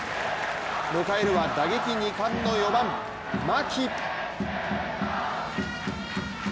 迎えるは打撃２冠の４番・牧。